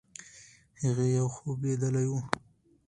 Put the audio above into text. هغې یو خوب لیدلی وو.